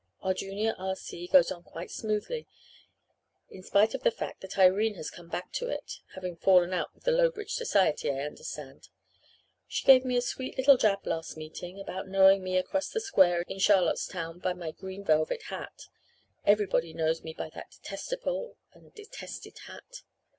"Our Junior R.C. goes on quite smoothly, in spite of the fact that Irene has come back to it having fallen out with the Lowbridge society, I understand. She gave me a sweet little jab last meeting about knowing me across the square in Charlottetown 'by my green velvet hat.' Everybody knows me by that detestable and detested hat.